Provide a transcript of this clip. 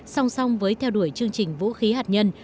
song song với theo đuổi chương trình vũ khí hạt nhân